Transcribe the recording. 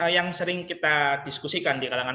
yang sering kita diskusikan di kalangan